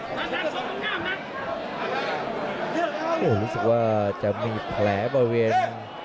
โอ้รู้สึกว่าจะมีแผลบรรเวียน